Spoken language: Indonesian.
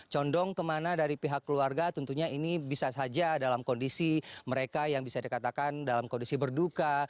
condong kemana dari pihak keluarga tentunya ini bisa saja dalam kondisi mereka yang bisa dikatakan dalam kondisi berduka